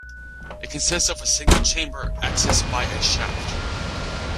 It consists of a single chamber accessed by a shaft.